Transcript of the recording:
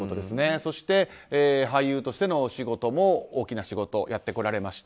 そして俳優としての仕事も大きな仕事をやってこられました。